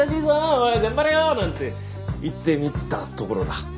おい頑張れよ」なんて言ってみたところだ。